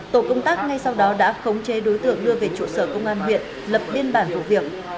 tổ công tác ngay sau đó đã khống chế đối tượng đưa về trụ sở công an huyện lập biên bản vụ việc